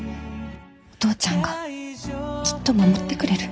お父ちゃんがきっと守ってくれる。